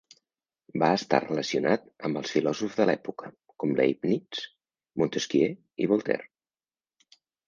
Va estar relacionat amb els filòsofs de l'època, com Leibniz, Montesquieu i Voltaire.